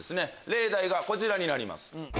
例題がこちらになります。